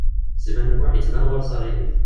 Sliman U Muḥ yettban ɣur-s aɣilif.